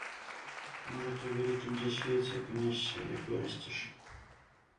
Можа ты ў вялікім дзе свеце апынешся, як вырасцеш.